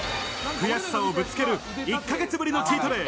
悔しさをぶつける１ヶ月ぶりのチートデイ。